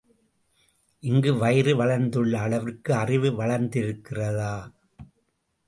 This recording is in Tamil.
இங்கு வயிறு வளர்ந்துள்ள அளவிற்கு அறிவு வளர்ந்திருக்கிறதா?